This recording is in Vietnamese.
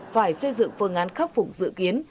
phải xây dựng phương án khắc phục dự kiến